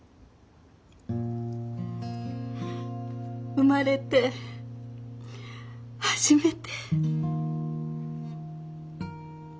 生まれて初めて。